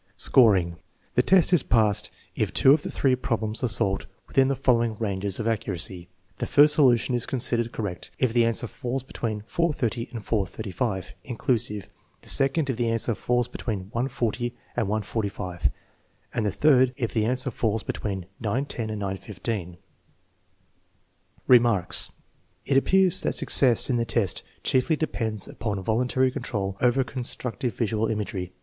Scoring. The test is passed if two of the three problems are solved within the following range of accuracy: the first solution is considered correct if the answer falls between 4.30 and 4.35, inclusive; the second if the answer falls be tween 1.40 and 1.45, and the third if the answer falls be tween 9.10 and 9,15. Remarks. It appears that success in the test chiefly depends upon voluntary control over constructive visual imagery.